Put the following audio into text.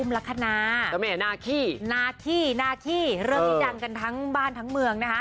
ลักษณะนาขี้นาขี้นาขี้เริ่มที่ดังกันทั้งบ้านทั้งเมืองนะฮะ